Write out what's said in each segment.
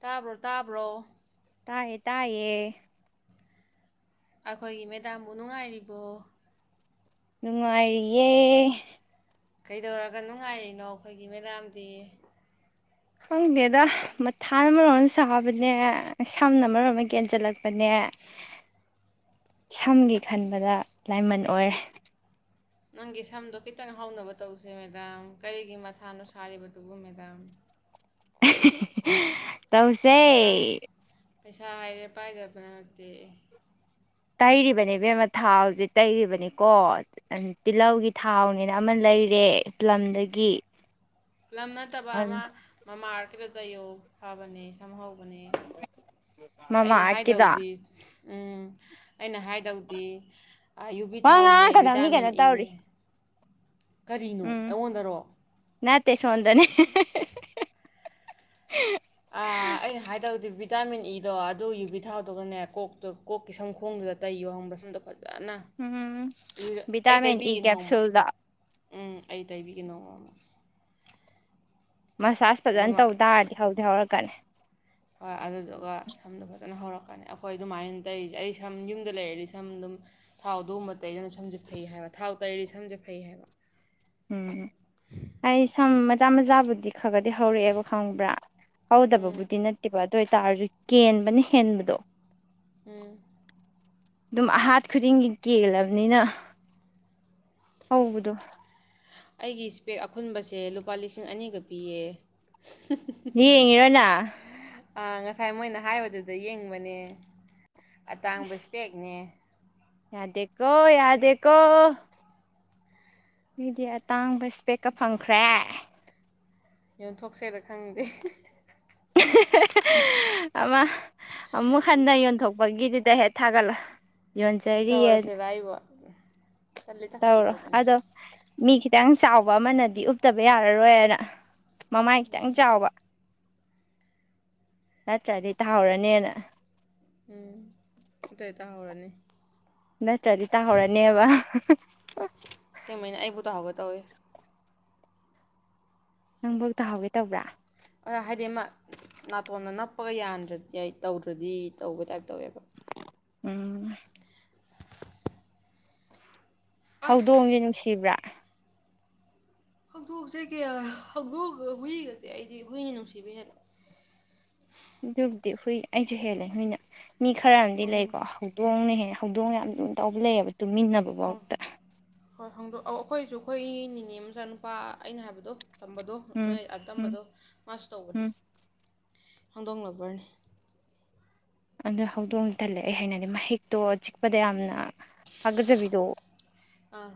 ꯇꯥꯕ꯭ꯔꯣ ꯇꯥꯕ꯭ꯔꯣ ꯇꯥꯌꯦ ꯇꯥꯌꯦꯌꯦ ꯑꯩꯈꯣꯏꯒꯤ ꯃꯦꯗꯥꯝꯕꯨ ꯅꯨꯡꯉꯥꯏꯔꯤꯕꯣ ꯅꯨꯡꯉꯥꯏꯔꯤꯌꯦ ꯀꯩꯗꯧꯔꯒ ꯅꯨꯡꯉꯥꯏꯔꯤꯅꯣ ꯑꯩꯈꯣꯏꯒꯤ ꯃꯦꯗꯥꯝꯗꯤ ꯈꯪꯗꯦꯗ ꯃꯊꯥ ꯑꯃꯣꯝ ꯑꯃ ꯁꯥꯕꯅꯦ ꯁꯝꯅ ꯑꯃꯣꯝ ꯑꯃ ꯀꯦꯟꯁꯤꯜꯂꯛꯄꯅꯦ ꯁꯝꯒꯤ ꯈꯟꯕꯗ ꯂꯥꯏꯃꯟ ꯑꯣꯏꯔꯦ ꯅꯪꯒꯤ ꯁꯝꯗꯣ ꯈꯤꯇꯪ ꯍꯥꯎꯅꯕ ꯇꯧꯁꯦ ꯃꯦꯗꯥꯝ ꯀꯔꯤꯒꯤ ꯃꯊꯥꯅꯣ ꯁꯥꯔꯤꯕꯗꯨꯕꯨ ꯃꯦꯗꯥꯝ [inaudible] ꯇꯧꯁꯦ ꯄꯩꯁꯥ ꯄꯩꯁꯥ ꯍꯥꯏꯔꯦ ꯄꯥꯏꯗꯕ ꯅꯠꯇꯦ ꯇꯩꯔꯤꯕꯅꯦꯕꯦꯝꯃ ꯊꯥꯎꯁꯦ ꯇꯩꯔꯤꯕꯅꯤꯀꯣ ꯇꯤꯜꯍꯧꯒꯤ ꯊꯥꯎꯅꯤꯅ ꯑꯃ ꯂꯩꯔꯦꯂꯝꯗꯒꯤ ꯂꯝ ꯅꯠꯇꯕ ꯑꯃ ꯃꯃꯥ ꯀꯇꯌ ꯍꯅꯦ ꯊꯝꯍꯧꯕꯅꯤ ꯃꯃꯥ ꯑꯩꯅ ꯑꯥꯔꯠꯀꯤꯗꯣ ꯍꯥꯏꯗꯧꯗꯤ ꯎ ꯑꯩꯅ ꯍꯥꯏꯗꯧꯗꯤ ꯌꯨꯕꯤ ꯋꯥ ꯊꯥꯎꯅꯦ ꯉꯥꯡꯉꯛꯀꯅꯣ ꯃꯤ ꯚꯤꯇꯥꯃꯤꯟ ꯀꯩꯅꯣ ꯏꯅꯦ ꯇꯧꯔꯤ ꯀꯔꯤꯅꯣ ꯑꯩꯉꯣꯟꯗꯔꯣ ꯇꯁꯣꯟꯗꯅꯤ [inaudible] ꯑ ꯑꯩꯅ ꯍꯥꯏꯗꯧꯗꯤꯦꯕꯤ ꯚꯤꯇꯥꯃꯤꯟ ꯏꯗꯣ ꯑꯗꯨ ꯌꯨꯕꯤ ꯊꯥꯎꯗꯨꯒꯅꯦ ꯀꯣꯛꯇꯣ ꯀꯣꯛꯀꯤ ꯁꯪ ꯈꯣꯡꯗꯨꯗ ꯇꯩꯌꯣ ꯍꯪꯕ꯭ꯔꯥ ꯁꯨꯝꯗꯣ ꯎꯝ ꯑꯩ ꯕꯤꯇꯥꯃꯤꯤꯟ ꯏ ꯇꯩꯕꯤꯒꯦ ꯅꯣꯡꯃ ꯀꯦꯞꯁꯨꯨꯜꯗ ꯎꯝ ꯑꯩ ꯇꯥꯏꯕꯤꯒꯅꯣ ꯃ ꯃꯁꯥꯥꯁ ꯐꯖꯅ ꯇꯧ ꯇꯥꯔꯗꯤ ꯍꯧꯗꯤ ꯍꯧꯔꯛꯀꯅꯤ ꯍꯣꯏ ꯑꯗꯨꯗꯨꯒ ꯁꯝꯗꯣ ꯐꯖꯅ ꯍꯧꯔꯛꯀꯅꯤ ꯑꯩꯈꯣꯏ ꯑꯗꯨꯃꯥꯏꯅ ꯇꯩꯔꯤꯁꯦ ꯑꯩ ꯁꯝ ꯌꯨꯝꯗ ꯂꯩꯔꯗꯤ ꯁꯝ ꯑꯗꯨꯝ ꯊꯥꯎ ꯑꯗꯨꯒꯨꯝꯕ ꯇꯩꯗꯅ ꯁꯝꯁꯦ ꯐꯩ ꯍꯥꯏꯕ ꯊꯥꯎ ꯇꯩꯔꯗꯤ ꯁꯝꯁꯦ ꯐꯩ ꯍꯥꯏꯕ ꯎꯝ ꯑꯩ ꯁ ꯆꯝꯖꯥꯕꯗꯤ ꯈꯔ ꯈꯗꯤ ꯍꯧꯔꯛꯑꯦꯕ ꯈꯪꯕ꯭ꯔꯥ ꯎꯝ ꯍꯧꯗꯕꯕꯨꯗꯤ ꯅꯠꯇꯦꯕ ꯑꯗꯨ ꯑꯣꯏꯇꯥꯔꯁꯨ ꯀꯦꯟꯕꯅ ꯍꯦꯟꯕꯗꯣ ꯎꯝ ꯑꯗꯨꯝ ꯑꯍꯥꯠ ꯈꯨꯗꯤꯡꯒꯤ ꯀꯦꯜꯂꯕꯅꯤꯅ ꯍꯧꯕꯗꯣ ꯑꯩꯒꯤ ꯏꯁꯄꯦꯛ ꯑꯈꯨꯟꯕꯁꯦ ꯂꯨꯄꯥ ꯂꯤꯁꯤꯡ ꯑꯅꯤꯒ ꯄꯤꯌꯦ ꯌꯦ ꯌꯦꯉ ꯏꯔꯣꯅꯥ ꯑꯥ ꯉꯁꯥꯏ ꯃꯣꯏꯅ ꯍꯥꯏꯕꯗꯨꯗ ꯌꯦꯡꯕꯅꯦ ꯑꯇꯥꯡꯕꯁꯄꯦꯛꯅꯦ ꯌꯥꯗꯦꯀꯣ ꯌꯥꯗꯦꯀꯣ ꯑꯩꯗꯤ ꯑꯇꯥꯡꯕ ꯏꯁꯄꯦꯛꯀ ꯐꯪꯈ꯭ꯔꯦ ꯌꯣꯟꯊꯣꯛꯁꯦꯔ ꯈꯪꯗꯦ ꯑꯃ ꯑꯃꯨꯛ ꯍꯟꯅ ꯌꯣꯟꯊꯣꯛꯄꯒꯤꯗꯨꯗ ꯍꯦꯛ ꯊꯥꯒꯠꯂ ꯌꯣꯟꯖꯔꯤ ꯇꯧꯔꯁꯤꯔ ꯑꯩꯕꯨ ꯇꯜꯂꯤꯗ ꯐꯥꯒꯤ ꯇꯧꯔꯣ ꯇꯧꯕꯅꯤ ꯑꯗꯣ ꯃꯤ ꯈꯤꯇꯪ ꯆꯥꯎꯕ ꯑꯃꯅꯗꯤ ꯎꯞꯇꯕ ꯌꯥꯔꯔꯣꯏꯅ ꯃꯃꯥꯏ ꯈꯤꯇꯪ ꯆꯥꯎꯕ ꯅꯠꯇ꯭ꯔꯗꯤ ꯇꯥꯍꯧꯔꯅꯦꯅ ꯎꯝ ꯑꯇꯩ ꯇꯥꯍꯧꯔꯅꯤ ꯅꯠꯇ꯭ꯔꯗꯤ ꯇꯥꯍꯧꯔꯅꯦꯕ ꯑ ꯀꯩꯃꯥꯏꯅ ꯑꯩꯕꯨ ꯇꯧꯍꯧꯒ ꯇꯧꯏ ꯅꯪꯕ ꯇ ꯍꯥꯎꯒꯦ ꯇꯕ꯭ꯔꯥ ꯑ ꯍꯥꯏꯗꯤ ꯑꯃ ꯅꯥꯇꯣꯟꯅ ꯅꯞꯄꯒ ꯌꯥꯟꯗ꯭ꯔꯗꯤ ꯑꯩ ꯇꯧꯗ꯭ꯔꯗꯤ ꯇꯧꯕ ꯇꯥꯏꯞ ꯇꯧꯋꯦꯕ ꯎꯝ ꯍꯧꯗꯣꯡꯁꯦ ꯑꯁ ꯅꯨꯡꯁꯤꯕ꯭ꯔꯥ ꯫ ꯍꯧꯗꯣꯛꯁꯦ ꯀꯌꯥ ꯍꯧꯗꯣꯡꯒ ꯍꯨꯏꯒꯁꯦ ꯑꯩꯗꯤ ꯍꯨꯏꯅ ꯅꯨꯡꯁꯤꯕ ꯍꯦꯜꯂꯦ ꯑꯗꯨꯕꯨꯗꯤ ꯍꯨꯏ ꯑꯩꯁꯨ ꯍꯦꯜꯂꯦꯍꯨꯏꯅ ꯃꯤ ꯈꯔ ꯑꯃꯗꯤ ꯍꯪ ꯂꯩꯀꯣ ꯍꯧꯗꯣꯡꯅꯍꯦ ꯍꯧꯗꯣꯡ ꯌꯥꯝ ꯂꯨꯅ ꯇꯧꯕ ꯂꯩꯌꯦꯕ ꯇꯨꯃꯤꯟꯅꯕꯕꯥꯛꯇ ꯑꯧ ꯑꯩꯈꯣꯏꯁꯨ ꯑꯩꯈꯣꯏ ꯅꯤꯅꯦ ꯃꯆꯥꯅꯨꯄꯥ ꯑꯩꯅ ꯍꯥꯏꯕꯗꯣ ꯇꯝꯕꯗꯣ ꯎꯝ ꯅꯣꯏ ꯎꯝ ꯇꯝꯕꯗꯣ ꯃꯥꯁꯨ ꯇꯧꯕꯅꯤ ꯎꯝ ꯍꯧꯗꯣꯡ ꯂꯕꯔꯅꯤ ꯑꯗꯨ ꯍꯧꯗꯣꯡ ꯇꯜꯂꯦ ꯑꯩ ꯍꯥꯏꯩꯅꯗꯤ ꯃꯍꯤꯛꯇꯣ ꯆꯤꯛꯄꯗ ꯌꯥꯝꯅ ꯍꯥꯀꯠꯆꯕꯤꯗꯣ ꯑꯥ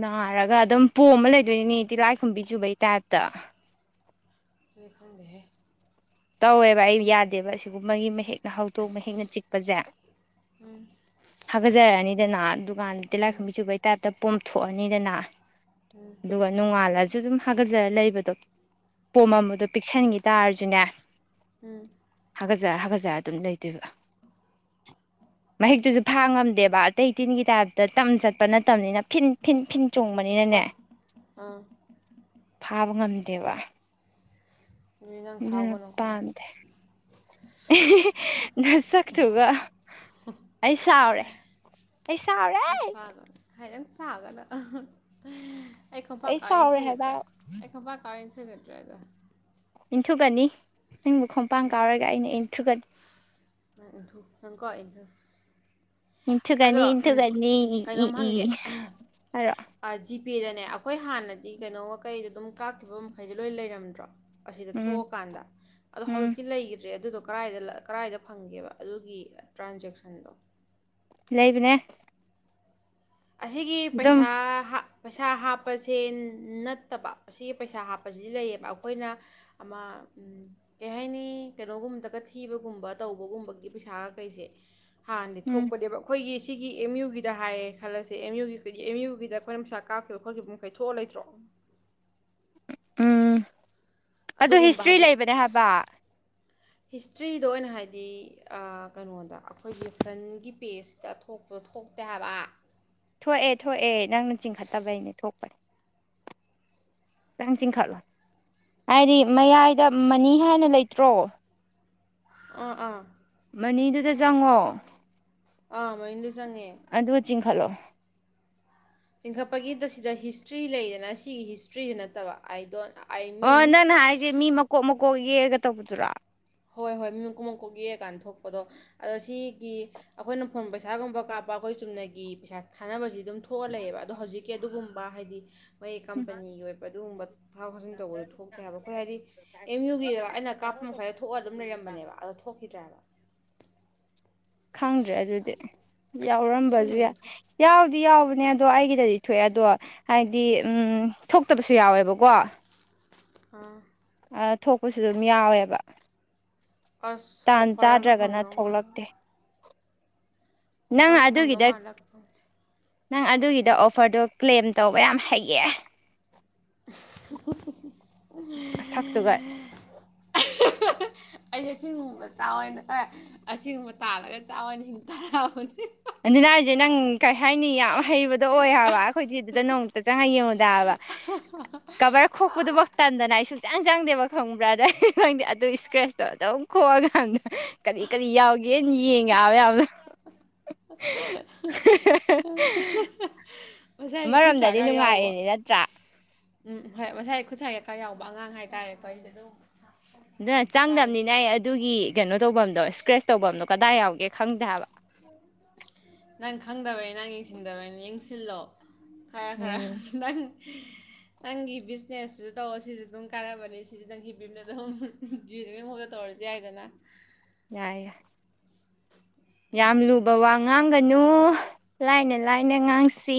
ꯅꯥꯔꯒ ꯑꯗꯨꯝ ꯄꯣꯝꯃ ꯂꯩꯗꯣꯏꯅꯤꯅꯤ ꯇꯤꯜꯂꯥꯏꯈꯨꯝꯕꯤ ꯆꯨꯕꯩ ꯇꯥꯏꯞꯇ ꯑꯗꯨ ꯈꯗꯦ ꯇꯧꯋꯦꯕ ꯑꯩ ꯌꯥꯗꯦꯕ ꯑꯁꯤꯒꯨꯝꯕꯒꯤ ꯃꯍ ꯍꯦꯛꯅ ꯍꯧꯗꯣꯛꯅ ꯍꯦꯛꯅ ꯆꯤꯛꯄꯁꯦ ꯍꯥꯒꯠꯆꯔꯛꯑꯅꯤꯗꯅ ꯗꯨꯀꯥꯟꯗ ꯇꯤꯂꯥꯏ ꯈꯨꯝꯝꯕꯤ ꯆꯨꯕꯩ ꯇꯥꯏꯞꯇ ꯄꯣꯝꯊꯣꯛꯑꯅꯤꯗꯅ ꯑꯗꯨꯒ ꯅꯣꯉꯥꯜ ꯂꯁꯨ ꯁꯨ ꯑꯗꯨꯝ ꯍꯥꯒꯠꯆꯔꯦ ꯂꯩꯕꯗꯣ ꯄꯣꯝ ꯑꯃꯗꯣ ꯄꯤꯛꯁꯟꯈꯤ ꯇꯁꯨꯅꯦ ꯎꯝ ꯍꯒꯥꯖꯔ ꯍꯒꯖꯔ ꯑꯗꯨꯝ ꯂꯩꯗꯣꯏꯕ ꯃꯍꯤꯛꯇꯨꯁꯨ ꯐꯥꯡꯉꯝꯗꯦꯕ ꯑꯇꯩ ꯇꯤꯟꯒꯤ ꯇꯥꯏꯞꯇ ꯇꯝ ꯆꯠꯄ ꯅꯠꯇꯕꯅꯤꯅ ꯐꯤꯟꯤꯟꯤꯟ ꯍꯣꯏ ꯆꯣꯡꯕꯅꯤꯅꯅꯦ ꯑꯥ ꯐꯥꯕ ꯉꯝꯗꯦꯕ ꯑꯗꯨꯗꯤ ꯅꯪ ꯎꯝ ꯁꯥꯎꯒꯅꯨꯀꯣ ꯄꯥꯝꯗꯦ ꯅꯁꯛꯇꯨꯒ ꯑꯩ ꯁꯥꯎꯔꯦ ꯑꯩ ꯁꯥꯎꯔꯦ ꯁꯥꯎꯒꯅꯨ ꯑꯩ ꯈꯣꯄꯥ ꯀꯥꯏꯟ ꯁꯥꯎꯔꯦ ꯍꯥꯏꯕ ꯆꯨꯒꯗ꯭ꯔꯦ ꯑꯩꯈꯣꯄꯥ ꯀꯥꯏ [unintelligible] ꯏꯟꯊꯨꯒꯅꯤ ꯅꯪꯕꯨ ꯈꯣꯡꯄꯥꯡ ꯀꯥꯎꯔꯒ ꯑꯩꯅ ꯏꯟꯊꯨꯒꯅꯤ ꯏꯟꯊꯨ ꯅꯪꯀꯣ ꯏꯟꯊꯨ ꯏꯟꯊꯨꯀꯅꯤ ꯑꯗꯣ ꯎꯝ ꯏꯟꯊꯀꯅꯤ ꯏ ꯏ ꯀꯩꯅꯣꯝ ꯏ ꯑꯔꯣ ꯄꯦꯗꯅꯦ ꯑꯩꯈꯣꯏ ꯍꯥꯟꯅꯗꯤ ꯀꯩꯅꯣꯒ ꯀꯩꯗꯣ ꯑꯗꯨꯝ ꯀꯥꯞꯈꯤꯕ ꯃꯈꯩꯗꯣ ꯂꯣꯏ ꯂꯩꯔꯝꯗ꯭ꯔꯣ ꯑꯁꯤꯗ ꯎꯝ ꯊꯣꯛꯑꯀꯥꯟꯗ ꯑꯣ ꯎꯝ ꯍꯧꯖꯤꯛꯇꯤ ꯂꯩꯈꯤꯗ꯭ꯔꯦ ꯑꯗꯨꯗ ꯀ꯭ꯔꯥꯏꯗ ꯀ꯭ꯔꯥꯏꯗ ꯐꯪꯒꯦꯕ ꯑꯗꯨꯒꯤ ꯇ꯭ꯔꯥꯟꯖꯦꯛꯁꯟꯗꯣ ꯂꯩꯕꯅꯦ ꯑꯁꯤꯒꯤ ꯑꯗꯨꯝ ꯄꯩꯁꯥ ꯄꯩꯁꯥ ꯍꯥꯞꯄꯁꯦ ꯅꯠꯇꯕ ꯁꯤꯒꯤ ꯄꯩꯁꯥ ꯍꯥꯞꯄꯁꯤꯗꯤ ꯂꯩꯌꯦꯕ ꯑꯩꯈꯣꯏꯅ ꯑꯃ ꯀꯩ ꯍꯥꯏꯅꯤ ꯀꯩꯅꯣꯒꯨꯝꯕꯗꯒ ꯊꯤꯕꯒꯨꯝꯕ ꯇꯧꯕꯒꯨꯝꯕꯒꯤ ꯄꯩꯁꯥꯒ ꯀꯩꯁꯦ ꯍꯥꯟꯅꯗꯤ ꯎꯝ ꯊꯣꯛꯄꯅꯦꯕ ꯑꯩꯈꯣꯏꯒꯤ ꯁꯤꯒꯤ ꯑꯦꯝ ꯌꯨꯒꯤꯗ ꯍꯥꯏꯌꯦ ꯈꯜꯂꯁꯦ ꯑꯦꯝ ꯌꯨꯒꯤꯩꯗꯤ ꯑꯦꯝ ꯌꯨꯒꯤꯗ ꯑꯩꯈꯣꯏꯅ ꯅꯨꯡꯁꯥ ꯀꯥꯞꯈꯤꯕ ꯈꯣꯠꯈꯤꯕ ꯃꯈꯩ ꯊꯣꯛꯑ ꯂꯩꯇ꯭ꯔꯣ ꯎꯝ ꯑꯗꯨ ꯑꯗꯨꯒꯨꯝꯕ ꯍꯤꯁꯇ꯭ꯔꯤ ꯍꯥꯏꯗꯤ ꯂꯩꯕꯅꯦ ꯍꯥꯏꯕ ꯍꯤꯁꯇ꯭ꯔꯤꯗ ꯑꯣꯏꯅ ꯍꯥꯏꯗꯤ ꯀꯩꯅꯣꯗ ꯑꯩꯈꯣꯏꯒꯤ ꯐ꯭ꯔꯟꯒꯤ ꯄꯦꯖꯁꯤꯇ ꯊꯣꯛꯄꯣ ꯊꯣꯛꯇꯦ ꯍꯥꯏꯕ ꯊꯣꯛꯑꯦ ꯊꯣꯛꯑꯦ ꯅꯪꯅ ꯆꯤꯡꯈꯠꯇꯕꯩꯅꯦ ꯊꯣꯛꯄꯅꯦ ꯈꯤꯇꯪ ꯆꯤꯡꯈꯠꯂꯣ ꯍꯥꯏꯗꯤ ꯃꯌꯥꯏꯗ ꯃꯅꯤ ꯍꯥꯏꯅ ꯂꯩꯇ꯭ꯔꯣ ꯎ ꯑ ꯃꯅꯤꯗꯨꯗ ꯆꯪꯉꯣ ꯑ ꯃꯅꯤꯗꯨꯗ ꯆꯪꯉꯦ ꯈꯠꯂꯣ ꯆꯤꯡꯈꯠꯄꯒꯤꯗ ꯁꯤꯗ ꯍꯤꯁꯇ꯭ꯔꯤ ꯂꯩꯗꯅ ꯁꯤꯒꯤ ꯍꯤꯁꯇ꯭ꯔꯤꯁꯤ ꯅꯠꯇꯕ ꯑꯥꯏ ꯗꯣꯟ ꯑꯥꯏ ꯃꯤꯟ ꯑꯣ ꯅꯪꯥꯟ ꯍꯥꯏꯁꯦ ꯃꯤ ꯃꯀꯣꯛ ꯃꯀꯣꯛ ꯀꯣ ꯌꯦꯛꯑꯒ ꯇꯧꯕꯗꯨꯔ ꯍꯣꯏ ꯍꯣꯏ ꯃꯤ ꯃꯀꯨꯛ ꯃꯀꯣꯛ ꯌꯦꯛꯑꯀꯥꯟꯗ ꯊꯣꯛꯄꯗꯣ ꯑꯗꯣ ꯁꯤꯒꯤ ꯑꯩꯈꯣꯏꯅ ꯐꯣꯟ ꯄꯩꯁꯥꯒꯨꯝꯕ ꯀꯥꯞꯄ ꯑꯩꯈꯣꯏ ꯆꯨꯝꯅꯒꯤ ꯄꯩꯁꯥ ꯊꯥꯅꯕꯁꯤ ꯑꯗꯨꯝ ꯊꯣꯛꯑꯂꯛꯑꯦꯕ ꯑꯗꯣ ꯍꯧꯖꯤꯛꯀꯤ ꯑꯗꯨꯒꯨꯝꯕ ꯍꯥꯏꯗꯤ ꯃꯣꯏꯒꯤ ꯀꯝꯄꯅꯤꯒꯤ ꯑꯣꯏꯕ ꯑꯗꯨꯒꯨꯝꯕ ꯊꯕꯣꯛ ꯊꯧꯁꯤꯟ ꯇꯧꯕꯗ ꯊꯣꯛꯇꯦ ꯍꯥꯏꯕ ꯑꯩꯈꯣꯏ ꯍꯥꯏꯗꯤ ꯑꯦꯝ ꯌꯨꯒꯤꯗ ꯑꯩꯅ ꯀꯥꯞꯄ ꯃꯈꯥꯏ ꯔꯝꯕꯅꯦꯕ ꯑꯗꯣ ꯊꯣꯛꯈꯤꯗꯔ꯭ꯦ ꯈꯪꯗ꯭ꯔꯦ ꯑꯗꯨꯗꯤ ꯌꯥꯎꯔꯝꯕꯁꯨ ꯑꯁꯦꯡꯕꯩꯅ ꯊꯣꯛꯈꯤ ꯌꯥꯎ ꯑꯗꯨꯗꯤ ꯌꯥꯎꯕꯅꯦ ꯑꯗꯣ ꯑꯩꯒꯤꯗꯗꯤ ꯊꯣꯛꯑꯦ ꯑꯗꯣ ꯍꯥꯏꯗꯤ ꯎꯝ ꯊꯣꯛꯇꯕꯁꯨ ꯌꯥꯎꯋꯦꯕꯀꯣ ꯑꯥ ꯊꯣꯛꯄꯁꯨ ꯑꯗꯨꯝ ꯌꯥꯎꯋꯦꯕ ꯑꯁ ꯇꯥꯟ ꯑꯣꯐꯔꯒ ꯆꯥꯗ꯭ꯔꯒꯅ ꯐꯪꯗꯣ ꯃꯥꯂ ꯊꯣꯛꯂꯛꯇꯦ ꯅꯪ ꯑꯣꯐꯥꯒ ꯐꯪꯗꯃ ꯑꯗꯨꯒꯤꯗ ꯃꯜꯂꯦꯗ ꯐꯪ ꯅꯪ ꯑꯗꯨꯒꯤꯗ ꯑꯣꯐꯔꯗꯣ ꯀ꯭ꯂꯦꯝ ꯇꯧꯕ ꯌꯥꯝ ꯍꯩꯌꯦ [unintelligible] ꯅꯁꯛꯇꯨꯒ ꯑꯩꯩꯅ ꯁꯤꯒꯨꯝꯕꯆ ꯑꯣꯏꯅ ꯑꯦ ꯑꯁꯤꯒꯨꯝꯕ ꯇꯥꯜꯂꯒ ꯆꯥꯝꯃꯅꯤ ꯍꯤꯡꯇꯔꯕꯅꯦ ꯑꯗꯨꯅ ꯍꯥꯏꯁꯦ ꯅꯪ ꯀꯔꯤ ꯍꯥꯏꯅꯤ ꯌꯥꯝ ꯍꯩꯕꯗꯣ ꯑꯣꯏ ꯍꯥꯏꯕ ꯑꯩꯈꯣꯏꯗꯤ ꯑꯗꯨꯗ ꯅꯣꯡꯃꯨꯇ ꯆꯪꯉꯒ ꯌꯦꯡꯉꯨꯗꯕ ꯀꯕꯔ ꯈꯣꯛꯄꯗꯨꯐ ꯇꯟꯗꯅ ꯑꯩ ꯁꯨꯡꯆꯪ ꯆꯪꯗꯦꯕ ꯈꯪꯕ꯭ꯔꯥ ꯑꯗ ꯑꯩ ꯅꯪꯗꯤ ꯑꯗꯨ ꯏꯁꯀ꯭ꯔꯦꯁꯇꯣ ꯑꯗꯨꯝ ꯈꯣꯛꯑꯒ ꯈꯪꯗ ꯀꯔꯤ ꯀꯔꯤ ꯌꯥꯎꯒꯦꯅ ꯌꯦꯡꯉꯦ ꯍꯥꯏꯕ ꯌꯥꯝꯅ ꯑ ꯑꯃꯔꯣꯝꯗꯗꯤ ꯅꯨꯡꯉꯥꯏꯔꯤꯅꯦ ꯅꯠꯇ꯭ꯔꯥ ꯎꯝ ꯍꯣꯏ ꯃꯁꯥꯏ ꯈꯨꯠꯁꯥ ꯀꯩꯀꯥ ꯌꯥꯎꯕ ꯑꯉꯥꯡ ꯍꯥꯏꯇꯥꯔꯦꯀꯣ ꯑꯩꯁꯦ ꯑꯗꯨꯝ ꯗꯨꯅ ꯆꯥꯔꯤꯁꯦ ꯆꯥꯡꯗꯝꯅꯤꯅ ꯑꯩ ꯑꯗꯨꯒꯤ ꯀꯩꯅꯣ ꯇꯧꯕꯝꯗꯣ ꯐꯔ꯭ꯦꯁ ꯇꯧꯕꯝꯗꯣ ꯀꯗꯥꯏ ꯌꯥꯎꯒꯦ ꯈꯪꯗꯦ ꯍꯥꯏꯕ ꯅꯪ ꯈꯪꯗꯕꯩ ꯅꯪ ꯌꯦꯡꯁꯤꯟꯗꯕꯩꯅꯤ ꯌꯦꯡꯁꯤꯜꯂꯣ ꯈꯔ ꯈꯔ ꯎꯝ ꯅꯪ ꯅꯪꯒꯤ ꯕꯤꯖꯅꯦꯁꯨ ꯇꯧꯑꯣ ꯁꯤꯁꯨ ꯑꯗꯨꯝ ꯀꯥꯟꯔꯕꯅꯤ ꯁꯤꯁꯨ ꯅꯪ ꯍꯤꯞ ꯍꯤꯄꯅ ꯑꯗꯨꯝ [unintelligible] ꯇꯧꯔꯁꯨ ꯌꯥꯏꯗꯅ ꯌꯥꯏ ꯌꯥ ꯌꯥꯝ ꯑꯗꯨꯅꯦ ꯂꯨꯕ ꯋꯥ ꯉꯥꯡꯒ ꯅꯨ ꯂꯥꯏꯅ ꯂꯥꯏꯅ ꯉꯥꯡꯁꯤ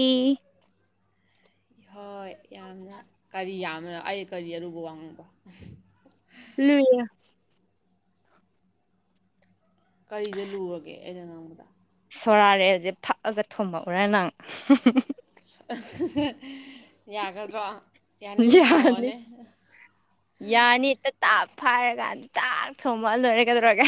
ꯍꯣꯏ ꯌꯥꯝꯅ ꯀꯔꯤ ꯌꯥꯝꯕꯅꯣ ꯑꯩ ꯀꯔꯤ ꯑꯔꯨꯕ ꯋꯥ ꯉꯥꯡꯕ ꯂꯨꯏ ꯀꯔꯤꯗ ꯂꯨꯔꯒꯦ ꯑꯩꯅ ꯉꯥꯡꯕꯗ ꯁꯣꯔꯥꯔꯦꯜꯁꯦ ꯐꯛꯑꯒ ꯊꯣꯝꯃꯛꯎꯔꯦ ꯅꯪ ꯍ ꯌꯥꯅꯤ ꯌꯥꯅꯤꯛꯇ ꯇꯥꯞ ꯐꯥꯔꯒꯥꯟꯗ ꯇꯥꯛ ꯊꯣꯝꯃꯛꯑ ꯂꯣꯏꯔꯦ ꯀꯩꯗꯧꯔꯒꯦ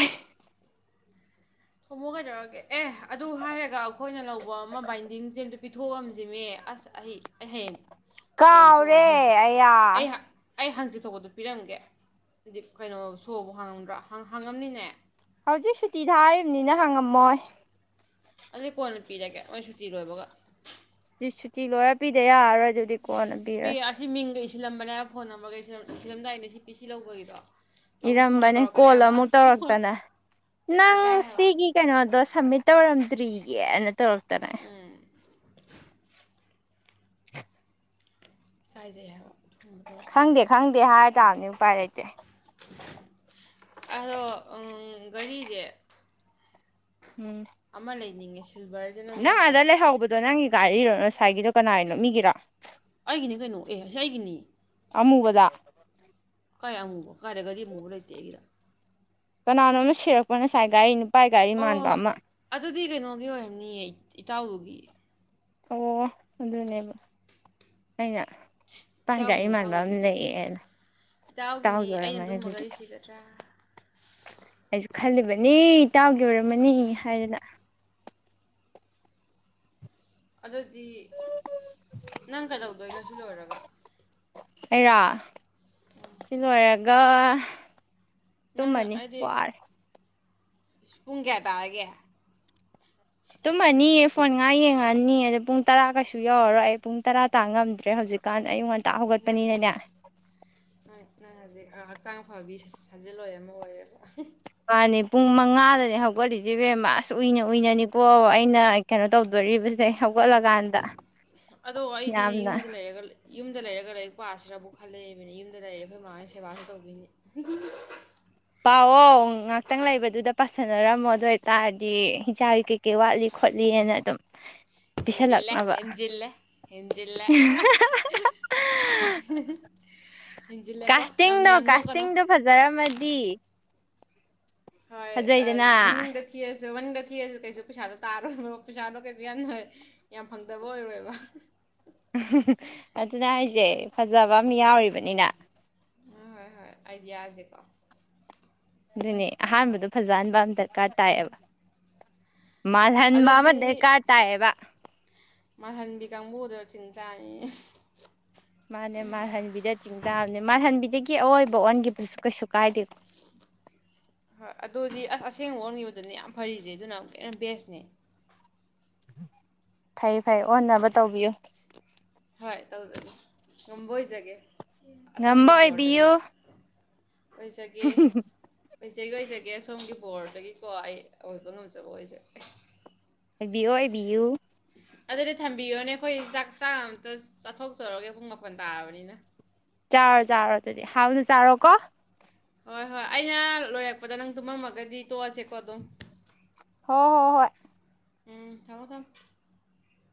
ꯊꯣꯃꯣ ꯀꯩꯗꯧꯔꯒꯦ ꯑꯦ ꯑꯗꯨ ꯍꯥꯏꯔꯒ ꯑꯈꯣꯏꯅ ꯂꯧꯕ ꯑꯃ ꯕꯥꯏꯟꯗꯤꯡꯖꯦꯟꯗꯨ ꯄꯤꯊꯣꯛꯑꯝꯖꯦꯃꯤ ꯑꯁ ꯑꯩ ꯑꯩ ꯍꯌꯦꯡ ꯍꯌꯦꯡ ꯊꯣꯛꯑꯣꯏ ꯀꯥꯎꯔꯦ ꯑꯌꯥ ꯑꯆꯧꯕꯗꯨꯣ ꯄꯤꯔꯝꯒꯦ ꯗꯤ ꯀꯩꯅꯣ ꯁꯣꯕꯨ ꯍꯥꯡꯉꯝꯗꯔꯣ ꯍꯥꯡ ꯍꯥꯡꯉꯝꯅꯤꯅꯦ ꯍꯧꯖꯤꯛ ꯁꯨꯇꯤ ꯊꯥꯔꯤꯝꯅꯤꯅ ꯍꯪꯉꯝꯃꯣꯏ ꯑꯗꯨ ꯀꯣꯟꯅ ꯄꯤꯔꯒꯦ ꯃꯣꯏ ꯁꯨꯇꯤ ꯂꯣꯏꯕꯒ ꯁꯇꯤ ꯁꯨꯇꯤ ꯂꯣꯏꯔ ꯄꯤꯗꯦ ꯌꯥꯔꯣꯏ ꯗꯨꯗꯤ ꯀꯣꯟ ꯄꯔꯁꯤ ꯁꯤꯜꯂꯝꯕꯅꯦ ꯐꯣꯟ ꯅꯝꯕꯔꯒ ꯏꯁꯤꯂꯝ ꯁꯤꯜꯂꯝꯗꯥꯏꯗ ꯁꯤ ꯄꯤ ꯁꯤ ꯂꯧꯕꯒꯤꯗꯣ ꯑꯃꯨꯛ ꯐꯣꯟꯒ ꯏꯔꯝꯕꯅꯦ ꯀꯣꯜ ꯇꯧꯔꯛꯀꯅꯦꯕ ꯑꯃꯨꯛ ꯐꯣꯟ ꯇꯧꯔꯛꯇꯅ ꯅꯪ ꯏꯀꯥꯏ ꯍꯥꯏꯕ ꯁꯤꯒꯤ ꯀꯩꯅꯣꯗꯣ ꯁꯝꯃꯤꯠ ꯇꯧꯔꯝ ꯇꯔꯤꯒꯦꯅ ꯇꯧꯔꯛ ꯇꯅꯥ ꯎꯝ ꯍ [inaudible] ꯀꯥꯏꯖꯩ ꯍꯥꯏꯕ ꯊꯣꯡꯕ ꯈꯪꯗꯦ ꯈꯪꯗꯦ ꯍꯥꯏꯔ ꯇꯥꯝꯅꯤ ꯎꯄꯥꯏ ꯂꯩꯇꯦ ꯘꯔꯤꯖꯦ ꯎꯝ ꯅꯤꯡꯉꯦꯁꯨ [unintelligible] ꯅ ꯑꯗ ꯂꯩꯍꯧꯟꯗꯣ ꯅꯪ ꯒꯥꯔꯤꯔꯣ ꯉꯁꯥꯏꯒꯤꯗꯣ ꯀꯅꯥꯏꯅꯣ ꯃꯤꯒꯤꯔꯣ ꯑꯩꯒꯤꯅꯤ ꯀꯩꯅꯣ ꯑꯦ ꯑꯁꯤ ꯑꯩꯒꯤꯅꯤ ꯑꯃꯨꯕꯗ ꯀꯩ ꯑꯃꯨꯕ ꯀꯔ ꯒꯔꯤ ꯃꯨꯕ ꯂꯩꯇꯦ ꯑꯩꯒꯤꯗ ꯀꯅꯥꯅꯣꯝꯅ ꯁꯤꯔꯛꯄ ꯅꯁꯥꯏ ꯒꯔꯤ ꯅꯨ ꯎꯄꯥꯏ ꯒꯥꯔꯤ ꯃꯥꯟꯕ ꯑꯣ ꯑꯃ ꯑꯗꯨꯗꯤ ꯀꯩꯅꯣꯒꯤ ꯑꯣꯏꯔꯝꯅꯤꯌꯦ ꯏꯇꯥꯎꯔꯨꯒꯤ ꯑꯣ ꯑꯗꯨꯅꯦꯕ ꯑꯩꯅ ꯑꯗꯥꯏꯗ ꯑꯩ ꯏꯇꯥꯎꯒꯤꯅꯦ ꯃꯥꯟꯕ ꯏꯇꯥꯎꯒꯤ ꯑꯃ ꯑꯗꯨꯗꯤ ꯂꯩꯌꯦꯅ ꯏꯇꯥꯎꯒꯤꯅꯤ ꯏꯇꯥꯎꯒꯤ ꯑꯩꯅ ꯑꯣꯏꯔꯝꯃꯅꯤ ꯑꯗꯨꯒꯨꯝꯕ ꯑꯗꯨꯗꯤ ꯘꯔꯤ ꯁꯤꯒꯗ꯭ꯔꯥ ꯑꯩꯖ ꯈꯜꯂꯤꯕꯅꯤ ꯏ ꯇꯥꯎꯒꯤ ꯑꯣꯏꯔꯝꯃꯅꯤ ꯍꯥꯏꯗꯅ ꯑꯗꯨꯗꯤ ꯅꯪ ꯀꯩꯗꯧꯗꯣꯏꯅꯣ ꯁꯤ ꯂꯣꯏꯔꯒ ꯑꯩꯔꯥ ꯁꯤ ꯂꯣꯏꯔꯒ ꯅꯪ ꯇꯨꯝꯃꯅꯤ ꯍꯥꯏꯗꯤ ꯋꯥꯔꯦ ꯄꯨꯡ ꯀꯌꯥ ꯇꯥꯔꯒꯦ ꯇꯨꯝꯃꯅꯤꯌꯦ ꯐꯣꯟ ꯉꯥꯏ ꯌꯦꯡꯉ ꯑꯅꯤ ꯑꯗꯣ ꯄꯨꯡ ꯇꯔꯥ ꯀꯩꯁꯨ ꯌꯧꯔꯔꯣꯏ ꯑꯩ ꯄꯨꯡ ꯇꯔꯥ ꯇꯥ ꯉꯝꯗ꯭ꯔꯦ ꯍꯧꯖꯤꯛꯀꯥꯟꯗ ꯑꯌꯨꯛ ꯉꯟ ꯉꯟꯇꯥ ꯅꯪ ꯍꯧꯒꯠꯄꯅꯤꯅꯅꯦ ꯅꯪ ꯅꯪ ꯍꯧꯖꯤꯛ ꯍꯛꯆꯥꯡ ꯐꯕꯤ ꯁꯥꯖꯤꯜꯂꯣꯏ ꯑꯃ ꯑꯣꯏꯔꯦ ꯄꯥꯅꯤ ꯄꯨꯡ ꯃꯉꯥꯗꯅꯦ ꯍꯧꯒꯠꯂꯤꯖꯦ ꯏꯕꯦꯝꯃ ꯑꯁ ꯎꯏꯅ ꯎꯏꯅꯅꯤꯀꯣ ꯑꯩꯅ ꯀꯩꯅꯣ ꯇꯧꯗꯣꯔꯤꯕꯖꯦ ꯍꯧ ꯑꯗꯣ ꯑꯩꯗꯤꯅꯦ ꯌꯥꯝꯅ ꯌꯨꯝꯗ ꯂꯩꯔꯒ ꯌꯨꯝꯗ ꯂꯩꯔꯒ ꯂꯥꯏꯔꯤꯛ ꯄꯥꯁꯤꯔꯕꯧ ꯈꯜꯂꯛꯏꯕꯅꯤ ꯌꯨꯝꯗ ꯂꯩꯔꯦ ꯑꯩꯈꯣꯏ ꯃꯥ ꯍꯣꯏ ꯁꯦꯕꯥꯁꯨ ꯇꯧꯗꯣꯏꯅꯤ ꯄꯥꯎꯑꯣ ꯉꯥꯛꯇꯪ ꯂꯩꯕꯗꯨꯗ ꯄꯥꯁꯟꯅꯔꯝꯃꯣ ꯑꯗꯨ ꯑꯣꯏ ꯇꯥꯔꯗꯤ ꯏꯆꯥꯒꯤ ꯀꯩꯀꯩ ꯋꯥꯠꯂꯤ ꯈꯣꯠꯂꯤꯑꯅ ꯑꯗꯨꯝ ꯍꯦꯟꯖꯤꯜꯂꯦ ꯄꯤꯁꯜꯂꯛꯅꯕ ꯍꯦꯟꯖꯤꯜꯂꯦ ꯍꯦꯟ ꯍꯤꯟꯖꯤꯜꯂꯦ ꯍꯤꯟꯖꯤꯜꯂꯦꯀꯣ ꯌꯥꯝ ꯌꯥꯝ ꯀꯥꯁꯇꯤꯡꯗꯣ ꯅꯣꯛꯀꯅꯣ ꯀꯥꯁꯇꯤꯡꯗꯣ ꯐꯖꯔꯝꯃꯗꯤ ꯍꯣꯏ ꯐꯖꯩꯗꯅ ꯃꯟꯗ ꯊꯤꯔꯁꯨ ꯃꯟꯗ ꯊꯤꯔꯁꯨ ꯀꯩꯁꯨ ꯄꯩꯁꯥꯗꯣ ꯇꯥꯔꯣꯏꯕ ꯄꯩꯁꯥꯗꯣ ꯀꯩꯁꯨ ꯌꯥꯝ ꯌꯥꯝ ꯐꯪꯗꯕ ꯑꯣꯏꯔꯣꯏꯕ ꯑꯗꯨꯅꯦ ꯍꯥꯏꯖꯦ ꯐꯖꯕ ꯑꯝ ꯌꯥꯎꯔꯤꯕꯅꯤꯅ ꯍꯣꯏ ꯍꯣꯏ ꯍꯣꯏ ꯑꯥꯏꯗꯤꯌꯥꯖꯦꯀꯣ ꯑꯗꯨꯅꯦ ꯑꯍꯥꯟꯕꯗꯣ ꯐꯖꯍꯟꯕ ꯑꯃ ꯗꯔꯀꯥꯔ ꯇꯥꯏꯌꯦꯕ ꯃꯥꯜꯍꯟꯕꯥꯃꯥ ꯑꯗꯨꯗꯤ ꯗꯔꯀꯥꯔ ꯇꯥꯏꯌꯦꯕ ꯑꯗꯨ ꯆꯤꯟꯇꯥꯅꯤ ꯃꯥꯅꯦ ꯃꯥꯜꯍꯟꯕꯤꯗ ꯆꯤꯡ ꯇꯥꯕꯅꯦ ꯃꯥꯜꯍꯟꯕꯤꯗꯒꯤ ꯑꯑꯣꯏꯕ ꯑꯣꯟꯒꯤꯁꯨ ꯀꯩꯁꯨ ꯀꯥꯏꯗꯦ ꯍꯣꯏ ꯑꯗꯨꯗꯤ ꯑꯁ ꯑꯁꯦꯡꯕ ꯑꯣꯟꯈꯤꯕꯗꯨꯅꯤ ꯌꯥꯝ ꯐꯔꯤꯁꯦ ꯑꯗꯨꯅ ꯑꯃꯨꯛ ꯍꯦꯟꯅ ꯕꯦꯁꯅꯦ ꯐꯩ ꯐꯩ ꯑꯣꯟꯅꯕ ꯇꯧꯕꯤꯌꯨ ꯍꯣꯏ ꯇꯧꯖꯒꯦ ꯉꯝꯕ ꯑꯣꯏꯖꯒꯦ ꯉꯝꯕ ꯑꯁꯣꯝꯒꯤ ꯕꯣꯔꯗꯒꯤ ꯑꯣꯏꯕꯤꯌꯨ ꯑꯣꯏꯖꯒꯦ ꯑꯣꯏꯖꯒꯦ ꯑꯣꯏꯖꯒꯦ ꯁꯣꯝꯒꯤ ꯕꯣꯔꯗꯒꯤꯀꯣ ꯑꯩ ꯑꯣꯏꯕ ꯉꯝꯖꯕ ꯑꯣꯏꯖꯒꯦ ꯏꯕꯤꯌꯨ ꯏꯕꯤꯌꯨ ꯑꯗꯨꯗꯤ ꯊꯝꯕꯤꯌꯣꯅꯦ ꯑꯩꯈꯣꯏ ꯆꯥꯛ ꯆꯥ ꯑꯝꯇ ꯆꯥꯊꯣꯛꯆꯔꯒꯦ ꯄꯨꯡ ꯃꯥꯄꯜ ꯇꯥꯔꯕꯅꯤꯅ ꯆꯥꯎꯔꯣ ꯆꯥꯔꯣ ꯑꯗꯨꯗꯤ ꯍꯥꯎꯅ ꯆꯥꯔꯣꯀꯣ ꯍꯣꯏ ꯍꯣꯏ ꯑꯩꯅ ꯂꯣꯏꯔꯛꯄꯗ ꯅꯪ ꯇꯨꯝꯃꯝꯃꯒꯗꯤ ꯇꯣꯛꯑꯁꯦꯀꯣ ꯑꯗꯨꯝ ꯍꯣ ꯍꯣ ꯍꯣꯏ ꯎꯝ ꯊꯕ ꯇꯝ